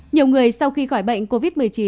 nhiều người sau khi khỏi bệnh covid một mươi chín